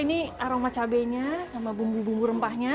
ini adalah aroma cabenya sama bumbu bumbu rempahnya